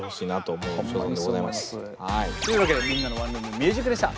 というわけで「みんなのワンルーム★ミュージック」でした！